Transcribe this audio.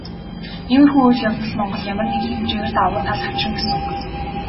Иймэрхүү үйл явдал Монголд ямар нэгэн хэмжээгээр давуу тал авчирна гэсэн үг.